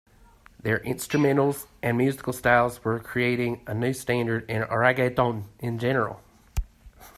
Their instrumentals and musical styles were creating a new standard in reggaeton in general.